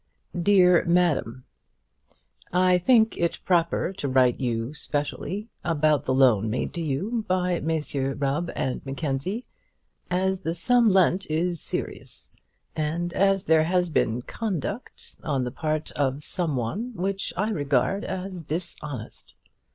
DEAR MADAM, I think it proper to write to you specially, about the loan made by you to Messrs Rubb and Mackenzie, as the sum lent is serious, and as there has been conduct on the part of some one which I regard as dishonest.